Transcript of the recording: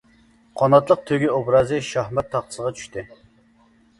«قاناتلىق تۆگە» ئوبرازى شاھمات تاختىسىغا چۈشتى.